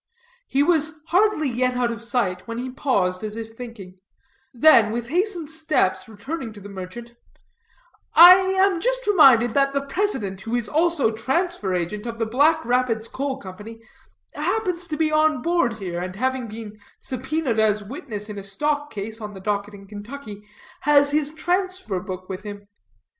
He was hardly yet out of sight, when he paused as if thinking; then with hastened steps returning to the merchant, "I am just reminded that the president, who is also transfer agent, of the Black Rapids Coal Company, happens to be on board here, and, having been subpoenaed as witness in a stock case on the docket in Kentucky, has his transfer book with him.